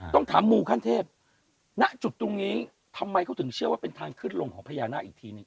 ต้องถามมูขั้นเทพณจุดตรงนี้ทำไมเขาถึงเชื่อว่าเป็นทางขึ้นลงของพญานาคอีกทีหนึ่ง